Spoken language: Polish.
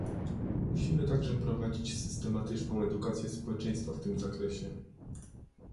Musimy także prowadzić systematyczną edukację społeczeństwa w tym zakresie